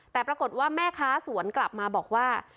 แต่ปรากฏว่าแม่ค้าสวนกลับมาบอกว่า